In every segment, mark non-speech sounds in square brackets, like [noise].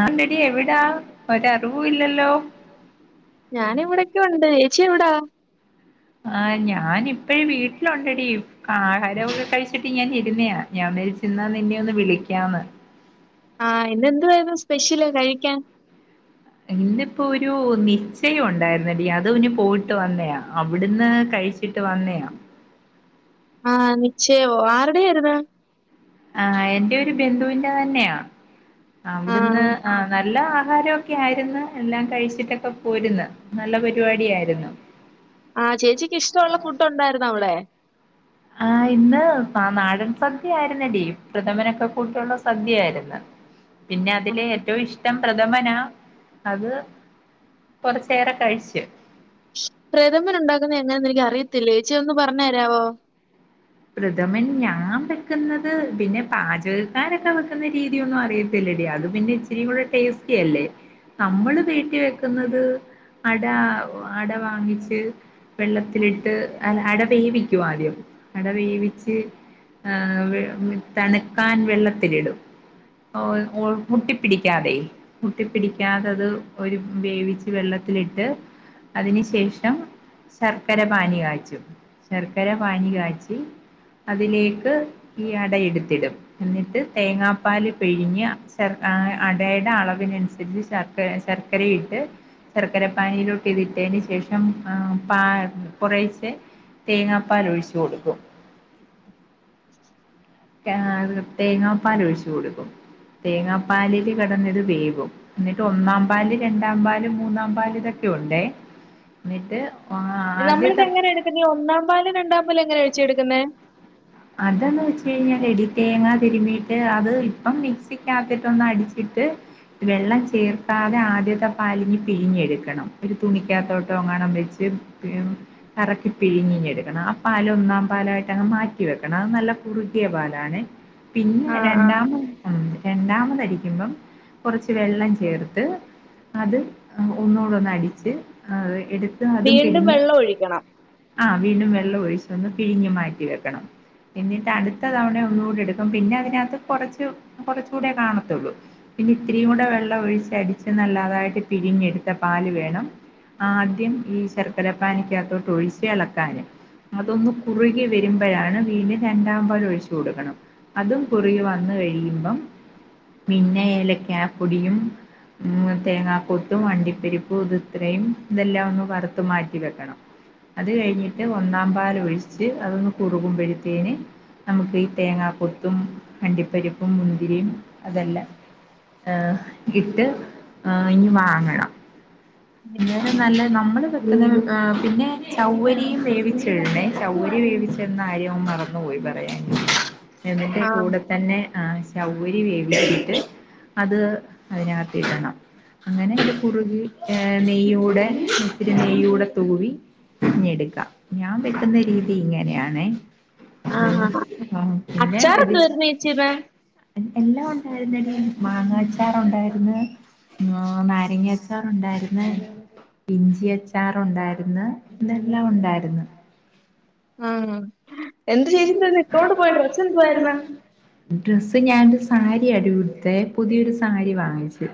ആണ്ട്ടി എവിടാ ഒര് അറിവും ഇല്ലല്ലോ ഞാൻ ഇവിടൊക്കെ ഉണ്ട് ഏച്ചി എവിടാ ആഹ് ഞാന് ഇപ്പഴും വീട്ടില് ഒണ്ടെടി ആഹാരൊക്കെ കഴിച്ചിട്ട് ഇങ്ങനെ ഇരുന്നെയാ ഞാൻ വിചാരിച്ച് എന്നാ നിന്നെ ഒന്ന് വിളിക്കാന്ന് ആഹ് ഇന്ന് എന്തുവേര്ന്നു സ്പെഷ്യല് കഴിക്കാൻ ഇന്നിപ്പോ ഒരൂ നിശ്ചയം ഉണ്ടായിരുന്നെടീ അതിനു പോയിട്ട് വന്നെയാ അവിട്ന്ന് കഴിച്ചിട്ട് വന്നെയാ ആഹ് നിശ്ചയോ ആര്ടെയാര്ന്ന് ആഹ് എന്റെ ഒരു ബന്ധുവിന്റെ തന്നെയാ ആഹ് അവിടുന്ന് ആഹ് നല്ല ആഹാരൊം ക്കെ ആയിരുന്ന് എല്ലാം കഴിച്ചിട്ടൊക്ക പോര്ന്ന് നല്ല പരിപാടി ആര്ന്ന് ആഹ് ചേച്ചിക്ക് ഇഷ്ടൊള്ള ഫുഡ് ഒണ്ടായിര്ന്നൊ അവിടെ ആഹ് ഇന്ന് പാ നാടൻ സദ്യ ആരുന്നെടീ പ്രഥമനൊക്ക കൂട്ടി ഒള്ള സദ്യാര്ന്ന് പിന്നെ ആ, അതില് ഏറ്റവും ഇഷ് റ്റം പ്രഥമനാ അത് കൊറച്ചേറെ കഴിച്ചു പ്രഥമൻ ഉണ്ടാക്കുന്ന എന്നാന്ന് എനിക്ക് അറിയത്തില്ലേച്ചി ഒന്ന് പറഞ്ഞ് തരാവോ പ്രഥമൻ ഞാൻ വെക്കുന്നത് പിന്നെ പാജകക്കാരൊക്കെ വെക്കുന്ന രീതി ഒന്നും അറിയ ത്തില്ലടി അത് പിന്നെ ഇച്ചിരീം കൂടെ ടേസ്റ്റി അല്ലേ നമ്മള് വീട്ടി വെക്കുന്നത് അട അട വാങ്ങിച്ച് വെള്ളത്തിലിട്ട് അല്ല അട വേവിക്കും ആദ്യം അട വേവിച്ച് ആഹ് തണുക്കാൻ വെള്ളത്തിലിടും ഓൽ മോൾ മുട്ടിപ്പിടിക്കാതെ മുട്ടിപ്പിടിക്കാതെ അത് ഒരു വേവിച്ച് വെള്ളത്തിലിട്ട് അതിന് ശേഷം ശർക്കര പാനി കാച്ചും ശർക്കര പാനി കാച്ച് തി അതിലേക്ക് ഈ അട എടുത്തിടും എന്നിട്ട് തേങ്ങാപ്പാല് പിഴിഞ്ഞ് ശർ ആഹ് അടയേട അളവിന് അനുസരിച്ച് ശർ ശർക്കരേം ഇട്ട് ശർക്കര പാനിയിലോട്ട് ഇത് ഇട്ടേന് ശേഷം ആഹ് പ കൊറേച്ചേ തേങ്ങാപ്പാല് ഒഴിച്ചു കൊടുക്കും തേങ്ങാപ്പാല് ഒഴിച്ചു കൊടുക്കും തേങ്ങാപ്പാലില് കെടന്നത് വേവും എന്നിട്ട് ഒന്നാം പാല് രണ്ടാം പാല് മൂന്നാം പാല് ഇതൊക്കെ ഉണ്ടേ എന്നിട്ട് നമ്മളിത് ആദ്യത്തെ എങ്ങനെയാ എടുക്കുന്നേ ഈ ഒന്നാം പാല് രണ്ടാം പാല് എങ്ങനേച്ചി എടുക്കുന്നേ അതന്ന് വെച്ചാ പിരിഞ്ഞട്ടടി തേങ്ങ തിരുമ്പീട്ട് അത് ഇപ്പം മിക്സിക്കാത്തിട്ട് ഒന്ന് അടിച്ചിട്ട് വെള്ളം ചേർക്കാതെ ആദ്യത്തെ പാലിഞ്ഞ് പിഴിഞ്ഞി എടുക്കണം ഒരു തുണിക്കാത്തോട്ടോ അങ്ങാണം വെച്ച് കറക്കി പിഴിഞ്ഞിങ്ങ് എടുക്കണം ആ പാല് ഒന്നാം പാലായിട്ട് അങ്ങ് മാറ്റി വെക്കണം അത് നല്ല കുറുകിയ പാലാണ് പിന്നെ ആഹ് ആഹ് രണ്ടാം [unintelligible] രണ്ടാമത് അടിക്കുമ്പം കൊറച്ച് വെള്ളം ചേർത്ത് അത് ഒന്നൂട ഒന്ന് അടിച്ച് എടുത്ത് അതും വീണ്ടും പിഴിഞ്ഞ് വെള്ളം ഒഴിക്കണം. ആഹ് വീണ്ടും വെള്ളോഴിച്ച് ഒന്ന് പിഴിഞ്ഞു മാറ്റി വെക്കണം എന്നി ട്ട അടുത്ത തവണേ ഒന്നുകൂടെ എടുക്കും പിന്നെ അതിനാത്ത് കൊറച്ചു കൊറച്ചൂടെ കാണത്തേള്ളൂ പിന്നെ ഇത്തിരീം കൂടെ വെള്ളം ഒഴിച്ച് അടിച്ച് നല്ലതായിട്ട് പിഴിഞ്ഞെടുത്ത പാല് വേണം ആദ്യം ഈ ശർക്കരപ്പാനിക്കകത്തോട്ട് ഒഴിച്ച് എളക്കാന് അതൊന്ന് കുറുകി വരുമ്പഴാണ് പിന്നെം രണ്ടാം പാല് ഒഴിച്ചു കൊടുക്കണം അതും കുറുകി വന്ന് കഴിയുമ്പം പിന്നെ ഏലക്കാ പൊടിയും ഉം തേങ്ങാകൊത്തും അണ്ടിപ്പരിപ്പും ഇത് ഇത്രേം ഇതെല്ലാം ഒന്ന് വറുത്ത് മാറ്റി വെക്കണം അത് കഴിഞ്ഞിട്ട് ഒന്നാം പാല് ഒഴിച്ച് അതൊന്ന് കുറുകുമ്പഴ്ത്തേന് നമുക്ക് ഈ തേങ്ങാ കൊത്തും അണ്ടിപ്പരിപ്പും മുന്തിരിയും അതെല്ലാം ഏഹ്. ഇട്ട് ആ ഇഞ്ഞ് വാങ്ങണം. പിന്ന നല്ല നമ്മള് [unintelligible] പിന്നെ ചൗവ്വരീം വേവിച്ച്ടണേ. ചവ്വരി വേവിച്ച്ട്ണ കാര്യം മറന്നുപോയി പറയാൻ. ഇതിന്റെ ആഹ് കൂടത്തന്നെ ആഹ് ചൗവരി വേവിച്ച്ട്ട് - അത് അതിനത്തിടണം. അങ്ങനെ ഇത് കുറുകി ഏ.. നെയ്യൂടെ ഇത്തിരി നെയ്യൂടെ തൂവി- ങ്ങെട്ക്കാം. ഞാൻ വെക്ക്‌ന്ന രീതി ഇങ്ങനേ ആണെ. ആഹ് ആഹ് അച്ചാർ എന്തുവായിരുന്നു ചേച്ചി ഇന്ന്? [unintelligible] എല്ലാം ഒണ്ടായിരുന്നെടീ മാങ്ങാച്ചാറൊണ്ടാര്ന്ന് ങ്.. നാരങ്ങാ അച്ചാറൊണ്ടാര്ന്ന് ഇഞ്ചി അച്ചാറ് ഒണ്ടാര്ന്ന് ഇതെല്ലാം ഒണ്ടാര്ന്ന്. ആഹ് എന്ത് ചേച്ചി എന്താര്ന്നു ഇട്ടോണ്ട് പോയ ഡ്രസ്സെന്തുവാര്ന്നു? ഡ്രസ്സ് ഞാാനൊരു സാരിയാടി ഉട്ത്തെ പുതിയൊരു സാരി വാങ്ങിച്ചു.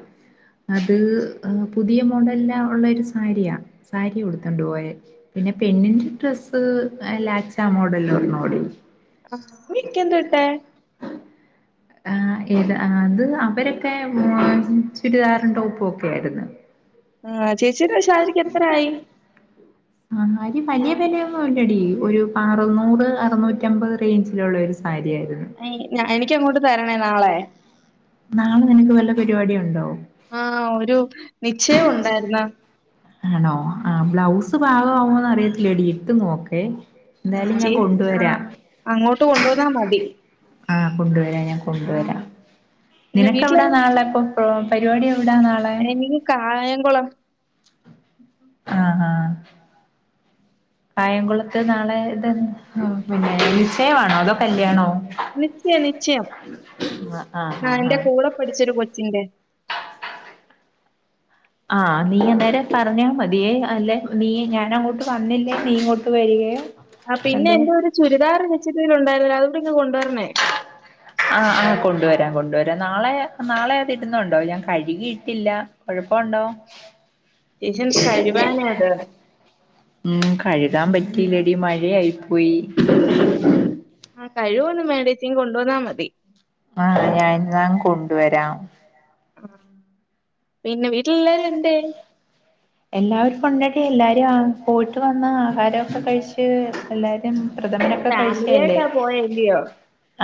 അത് പുതിയ മോഡല് ഒള്ളൊര് സാരിയാ സാരി ഉടുത്തോണ്ട് പോയെ. പിന്നെ പെണ്ണിന്റെ ഡ്രസ്സ് ആ ലാച്ചാ മോഡലൊന്നൂടി. ആഹ് അപ്പ ഇക്കെന്താ ഇട്ടേ? ആഹ് ഏത് ആഹ് അത് അവരൊക്കെ ചുരിദാറും ടോപ്പും ഒക്കെ ആയിര്ന്നു. [inaudible] ആഹ് ചേച്ചീടെ സാരിക്ക് എത്രായി? സാരി വലിയ വെലയൊന്നും ഇല്ലടി ഒരു അറുന്നൂറ് അറുന്നൂറ്റമ്പത് റേഞ്ചിലൊള്ളൊര് സാരിയായിരുന്നു. ഏഹ് എനിക്കങ്ങോട്ട് തരണേ നാളെ. നാളെ നിനക്ക് വല്ല പരിപാടീണ്ടോ? ആ ഒരു നിശ്ചയം ഉണ്ടായിരുന്നു. ആണോ ആഹ് ബ്ലൗസ് പാഗമാവോന്ന് അറിയത്തില്ലെടീ ഇട്ട് നോക്കെ. ചേ ആഹ് അങ്ങോട്ട് കൊണ്ടുവന്നാ മതി. കൊണ്ടുവരാ ഞാൻ ആ കൊണ്ടുവരാ പിന്നെ വീട്ടില് നിനക്കെവ്ടാ നാളെ ഇപ്പൊ പ്പൊ പര്വാടി എവിടാ നാളെ? എനിക്ക് കായംകുളം ആഹ് ആഹ്. കായംകുളത്ത് നാളെ ആഹ് [unintelligible] ച്ചയാണോ അതോ കല്യാണോ നിശ്ചയം നിശ്ചയം. ആഹ് ആഹ് ആഹ് പഠിച്ചൊര് കൊച്ചിന്റെ. ആഹ് നീയന്നേരം പറഞ്ഞാ മതിയേ അല്ലെ നീ ഞാനങ്ങോട്ട് വന്നില്ലേ നീ ഇങ്ങോട്ട് വരികയോ ആ പിന്നെ എന്ത് എന്റെ ഒര് ചുരിദാറ് തയ്ച്ചത് അയിലുണ്ടായിര്ന്നില്ലേ അതുകൂടി ഇങ്ങ് കൊണ്ടുവരണേ. ആഹ് ആഹ് കൊണ്ടുവരാം കൊണ്ടുവരാം. നാളെ നാളെ അത് ഇടുന്നുണ്ടോ ഞാൻ കഴ്കിയിട്ടില്ല. കൊഴപ്പോണ്ടോ? ചേച്ചി ഒന്ന് കഴുകാനേ അത്. ഉം കഴ്കാൻ പറ്റിയില്ലെടി മഴയായി പോയി. ആഹ് കഴ്കൊന്നും വേണ്ട ഏച്ചി ഇങ്ങ് കൊണ്ടുവന്നാ മതി. ആഹ് ഞാൻന്നാ കൊണ്ടുവരാം. ആഹ്. [inaudible] എല്ലാവരും കൊണ്ടാക്കി എല്ലാവരേം ആഹ് പോയിട്ട് വന്നാഹാരൊക്കെ കഴിച്ച് എല്ലാരും. പ്രഥമനൊക്കെ ഫാമിലി കഴിച്ചേല്ലെ ആയിട്ടാ പോയേ അല്ലയോ?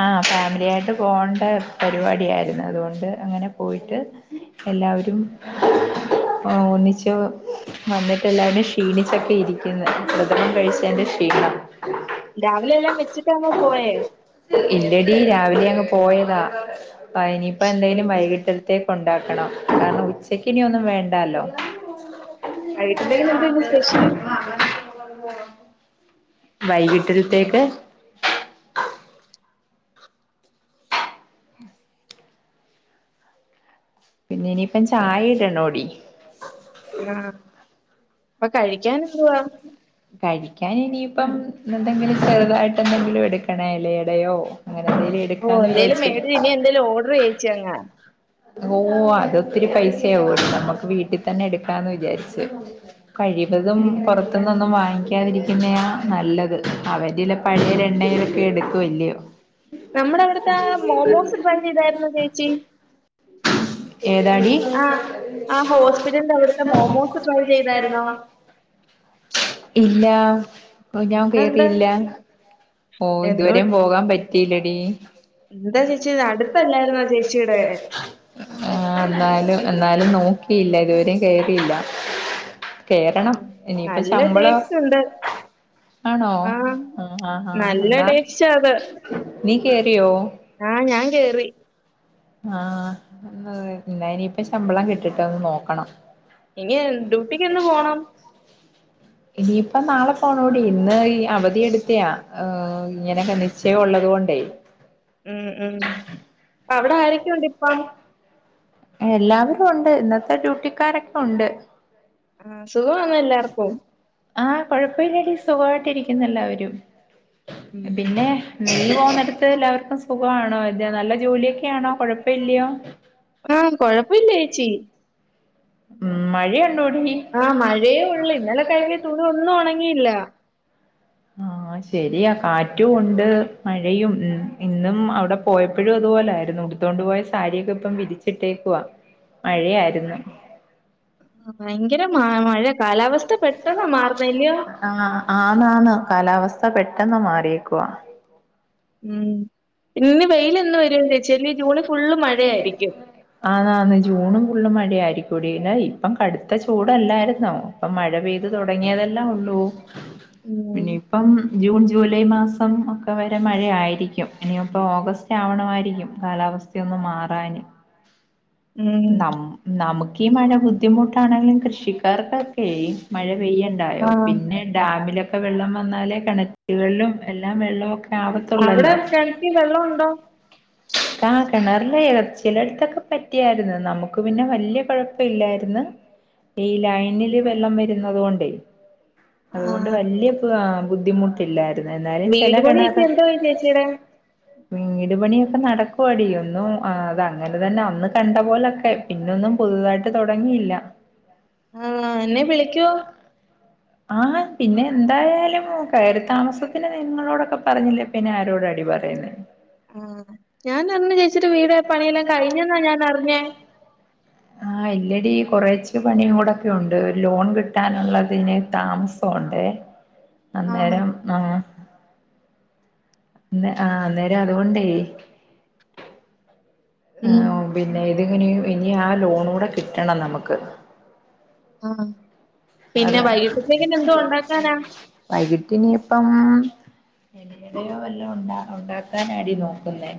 ആഹ് ഫാമിലിയായിട്ട് പോണ്ടെ പരിപാടിയാരുന്നു അതുകൊണ്ട് അങ്ങനെ പോയിട്ട് എല്ലാവരും ഒന്നിച്ച് വന്ന്ട്ട് എല്ലാരും ക്ഷീണിച്ചൊക്കെ ഇരിക്ക്‌ന്ന് പ്രഥമൻ കഴിച്ചേന്റെ ക്ഷീണം. രാവിലെ എല്ലാം വെച്ചിട്ടാണോ പോയേ? ഇല്ലെടീ രാവിലെയങ്ങ് പോയതാ. പ്പയനീപ്പെന്തെലും ഏയ്, വൈകീട്ടത്തേക്കൊണ്ടാക്കണം. കാരണം ഉച്ച് ഇനിയൊന്നും വേണ്ടാലോ. വൈകിട്ടത്തേക്ക് നമുക്ക് ഇന്ന് സ്പെഷ്യൽ. വൈകീട്ടൽത്തേക്ക്‌ പിന്നെ ഇനിയിപ്പം ചായീടണോടി. ആഹ് അപ്പൊ കഴിക്കാനെന്തുവാ കഴിക്കാൻ ഇനിയിപ്പം എന്തെങ്കിലും ചെറുതായിട്ട് എന്തെങ്കിലും എടുക്കണ എലയടയോ ഓഹ് എന്തേലും മേടിരി ഇനി എന്തേലും ഓർഡർ ചെയ്യേച്ചി അങ്ങ് ഓഹ് അതൊത്തിരി പൈസയാവും നമ്മുക്ക് വീട്ടിൽ തന്നെ എടുക്കാന്ന് വിചാരിച്ചു കഴിവതും പുറത്തുന്നൊന്നും വാങ്ങിക്കാതിരിക്കുന്നതാ നല്ലത് അവര്ടെല പഴയരെ എണ്ണയൊക്കെ എടുക്കുവല്ലയോ നമ്മുടെ അവിടുത്തെ ആ മോമോസ് ട്രൈ ചെയ്തായിരുന്നോ ചേച്ചി [unintelligible] ഏതാടി ആ ആ ഹോസ്പിറ്റലിന്റെ അവിടുത്തെ മോമോസ് ട്രൈ ചെയ്തായിരുന്നോ ഇല്ലാ ഇപ്പോ ഞാൻ അതെന്താ കേറ്യില്ല ഓഹ് എന്തോ ഇതുവരെയും പോകാൻ പറ്റീലെടീ എന്താ ചേച്ചി ഇത് അടുത്തല്ലായിരുന്നോ ചേച്ചിയുടെ [unintelligible] ആഹ് ന്നാലും എന്നാലും നോക്കിയില്ല ഇതുവരെയും കേറിയില്ല കേറണം ഇനിയിപ്പോ നല്ല ശമ്പളം ടേസ്റ്റ് ഉണ്ട് ആണോ ആ ആഹ് ആ നല്ല എന്നാ ടേസ്റ്റ് നീ കേറിയോ ആഹ് ഞാൻ കേറി ആഹ് എന്ന ഇനിയിപ്പ ശമ്പളം കിട്ടിട്ട് ഒന്ന് നോക്കണം ഇനി എൻ ഡ്യൂട്ടിക്ക്ന്ന് പോണം ഇനിയിപ്പോ നാളെ പോണോടി. ഇന്ന് ഈ അവധിയ എടുത്തയാ ഏഹ് ഇങ്ങനെ ചയം ഉള്ളതു കൊണ്ടേ ഉം ഉം അവിടെ ആരൊക്കെയുണ്ട് ഇപ്പം എല്ലാവരും ഉണ്ട് ഇന്നത്തെ ഡ്യൂട്ടിക്കാരൊക്കെ ഉണ്ട് ആഹ് സുഖംആന്നോ എല്ലാർക്കും ആഹ് കുഴപ്പമില്ലടി സുഖമായിട്ട് ഇരിക്കുന്നു എല്ലാവരും ഉം. പിന്നെ നീയ് പോക്ന്നിടുത്ത് എല്ലാവർക്കും സുഖമാണോ അതെ നല്ല ജോലിയൊക്കെയ ആണോ കൊഴപ്പ ഇല്ലയോ ആഹ് കൊഴപ്പല്യേച്ചീ ഉം മഴയണ്ടോടി ആഹ് മഴയേ ഉള്ളൂ. ഇന്നലെ കഴികിയ തുണി ഒന്നും ഉണങ്ങിയില്ല ആഹ് ശരിയാ കാറ്റും ഉണ്ട് മഴയും മം ഇന്നും അവിടെ പോയപ്പോഴും അതുപോലെ ആരുന്നു ഉടുത്തോണ്ട് പോയ സാരിയൊക്കെ ഇപ്പം വിരിച്ചിട്ടേക്കുവാ മഴയായിരുന്നു ഭയങ്കര മ മഴ കാലാവസ്ഥ പെട്ടെന്ന് മാറുന്നെ അല്ലയോ ആഹ് ആഹ് ആണ് ആണ് കാലാവസ്ഥ പെട്ടെന്ന് മാറിയേക്കുവാ ഉം പിന്നെ വെയ്ൽഎന്ന് വരുമന്ന് ചേച്ചീ ജൂണ് ഫുള്ള് മഴയായിരിക്കും ആ ന്ന് ജൂണും ഫുള്ളും മഴിയയിരിക്കുംടി ഇപ്പം കടുത്ത ചൂടല്ലായിരുന്നോ അപ്പൊ മഴ പെയ്ത് തുടങ്ങിയതെല്ലേ ഉള്ളൂ ഇനിയിപ്പം ജൂൺ ജൂലൈ മാസം ഒക്കെ വരെ മഴ ആയിരിക്കും ഇനി ഇപ്പൊ ഓഗസ്റ്റ് ആവണമായിരിക്കും കാലാവസ്ഥയൊന്ന് മാറാന്. ഉം നം നമുക്ക്ഈ മഴ ബുദ്ധിമുട്ടാണെങ്കിലും കൃഷിക്കാർക്കൊക്കെയ് മഴ പെയ്യുണ്ടായോ. ആഹ് പിന്നെ ഡാമിലൊക്കെ വെള്ളം വന്നാലേ കിണറ്റുകളിലും എല്ലാം വെള്ളമൊ അവിടെ ആവത്തുള്ളല്ലോ കിണറ്റിൽ വെള്ളമുണ്ടോ ആ കിണർല് ഇറ ചിലയിടുത്തൊക്കെ പെ റ്റിയാരുന്ന് നമുക്ക് പിന്നെ വലിയ കുഴപ്പ ഇല്ലായിരുന്നു. ഈ ലൈനില് വെള്ളം വരുന്നത് കൊണ്ടേ അതുകൊണ്ട് ആഹ് വല്യ ബുദ്ധിമുട്ടില്ലായിരുന്നു. എന്നാലും ചില കെണ ചേച്ചിയ്ടെ വീട് പണിയൊക്കെ നടക്കുവാടി ഒന്നും അത് അങ്ങനെ തന്നെ അന്ന് കണ്ട പോലൊക്കെ പിന്നൊന്നും പുതുതായിട്ട് തുടങ്ങിയില്ല ആഹ് എന്നെ വിളിക്കുവോ ആഹ് പിന്നെ എന്തായാലും കയറി താമസത്തിന് നിങ്ങളോടൊക്കെ പറഞ്ഞില്ലേ പിന്നെ ആരോടാടി പറയുന്നേ ആഹ് ഞാൻറിഞ്ഞഞ് ചേച്ചിട്ട് വീട് പണിയെല്ലാം കഴിഞ്ഞെന്നാ ഞാൻ അറിഞ്ഞേ ആഹ് ആഹ് ഇല്ലടി കുറച്ച് പണിയും കൂടെക്കെ ഉണ്ട് ലോൺ കിട്ടാനുള്ളതിന് താമസമണ്ട് ആഹ് അന്നേരം ആഹ് ആഹ് അന്നേരം അതുകൊണ്ടേ ഉം ആഹ് പിന്നെ ഇതിങ്ങനും ഇനി ആ ലോണൂടെ കിട്ടണം നമുക്ക് ആഹ് പിന്നെ അതെ വൈകിട്ടത്തേക്ക എന്തോ ഉണ്ടാക്കാനാ വൈകിട്ടിന ഇപ്പം എടയോ വല്ല ഉണ്ട ഉണ്ടാക്കൻ അടി നോക്കുന്നേ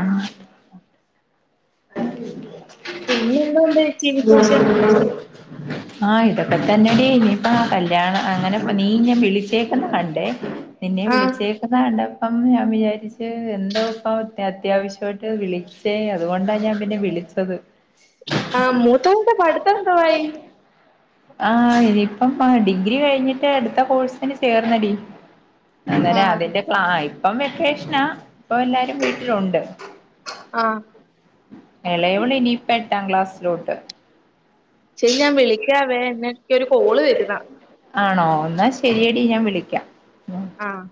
ആഹ് പിന്നെന്തോണ്ട് ചേച്ചി വിശേഷം [inaudible] ആഹ് ഇതൊക്കെ തന്നെടി ഇനിയിപ്പ കല്യാണം അങ്ങനെ നീ ഞാൻ വിളിച്ചേക്കുന്ന കണ്ടേ നിന്നെ ആഹ് വിളിച്ചേക്കുന്ന കണ്ടപ്പം ഞാൻ വിചാരിച്ചു എന്തോപ്പ അത്യാവശ്യമായിട്ട് വിളിച്ചേ അതുകൊണ്ടാ ഞാൻ പിന്നെ വിളിച്ചത് ആഹ് മൂത്തവന്റെ പഠിത്തം എന്തെവായി ആഹ് ഇനിയിപ്പം ഡിഗ്രി കഴിഞ്ഞിട്ട് അടുത്ത കോഴ്സിന് ചേർന്നടി അന്നേനെ ആഹ് അതിന്റെ ക്ലാ ഇപ്പം വെക്കേഷനാ ഇപ്പൊ എല്ലാരും വീട്ടിലുണ്ട് ആഹ് ഇളയോള ഇനിയിപ്പ എട്ടാം ക്ലാസ്സിലോട്ട് ശരി ഞാൻ വിളിക്കാവേ എന്നെ എനിക്കൊരു കോള് വരുന്ന ആണോ എന്നാ ശരിയടി ഞാൻ വിളിക്കാം ഉം ആഹ്